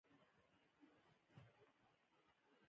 باسواده نجونې د نظافت اصول مراعاتوي.